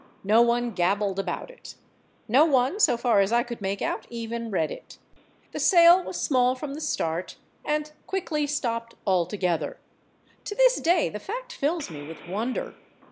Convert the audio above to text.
No one gabbled about it. No one, so far as I could make out, even read it. The sale was small from the start, and quickly stopped altogether.... To this day the fact fills me with wonder.